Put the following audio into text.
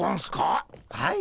はい。